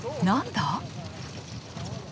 何だ？